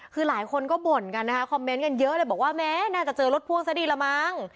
คือหลายคนก็บ่นกันนะคะคอมเมนต์กันเยอะเลยบอกว่าแม้น่าจะเจอรถพ่วงซะดีละมั้ง